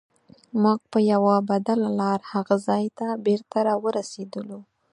موږ په یوه بدله لار هغه ځای ته بېرته راورسیدلو.